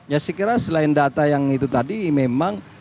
ya saya kira selain data yang itu tadi memang